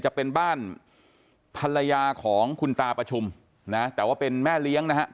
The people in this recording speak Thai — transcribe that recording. จะเป็นบ้านภรรยาของคุณตาประชุมนะแต่ว่าเป็นแม่เลี้ยงนะฮะ